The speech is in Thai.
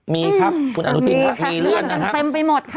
มีครับคุณอนุทินครับมีเลื่อนนะครับเลื่อนกันเต็มไปหมดค่ะ